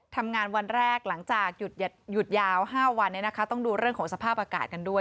ทำงานวันแรกหลังจากหยุดยาว๕วันต้องดูเรื่องของสภาพอากาศกันด้วย